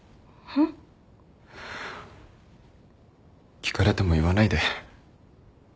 聞かれても言わないで。